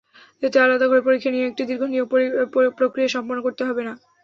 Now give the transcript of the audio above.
এতে আলাদা করে পরীক্ষা নিয়ে একটি দীর্ঘ নিয়োগ–প্রক্রিয়া সম্পন্ন করতে হবে না।